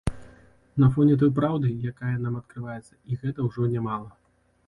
На фоне той праўды, якая нам адкрываецца, і гэта ўжо нямала.